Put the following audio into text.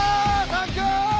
サンキュー！